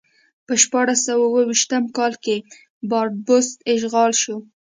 په شپاړس سوه اوه ویشت کال کې باربادوس اشغال شو.